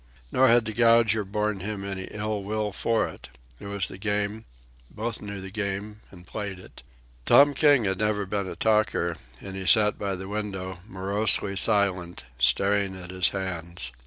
Nor had the Gouger borne him any ill will for it. It was the game, and both knew the game and played it. Tom King had never been a talker, and he sat by the window, morosely silent, staring at his hands.